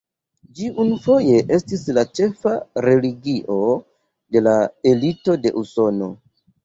Ĝi unufoje estis la ĉefa religio de la elito de Usono.